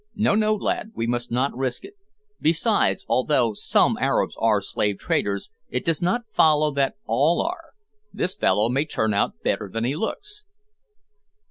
No, no, lad, we must not risk it. Besides, although some Arabs are slave traders, it does not follow that all are. This fellow may turn out better than he looks."